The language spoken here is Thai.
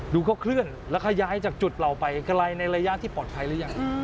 ดูเขาเคลื่อนแล้วเขาย้ายจากจุดเราไปกะไรในระยะที่ปลอดภัยระยะ